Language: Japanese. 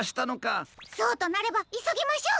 そうとなればいそぎましょう！